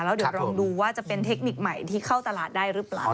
แล้วเดี๋ยวลองดูว่าจะเป็นเทคนิคใหม่ที่เข้าตลาดได้หรือเปล่า